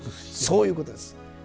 そういうことです。